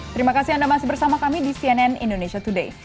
terima kasih anda masih bersama kami di cnn indonesia today